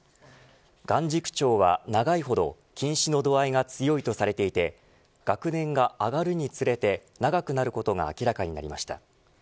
眼軸長は長いほど近視の度合いが強いとされていて学年が上がるにつれて長くなることが明らかになりました。